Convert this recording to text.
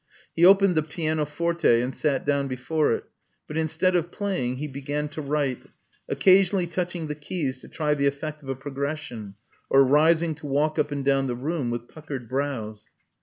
He opened the pianoforte and sat down before it ; but instead of playing he began to write, occasion ally touching the keys to try the effect of a progression, or rising to walk up and down the room with puckered brows.